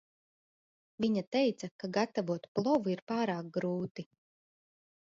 Viņa teica, ka gatavot plovu ir pārāk grūti.